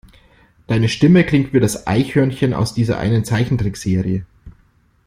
Deine Stimme klingt wie das Eichhörnchen aus dieser einen Zeichentrickserie.